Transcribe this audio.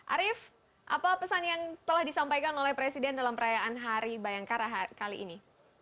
arief apa pesan yang telah disampaikan oleh presiden dalam perayaan hari bayangkara kali ini